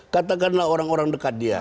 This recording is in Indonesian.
katakanlah orang orang dekat dia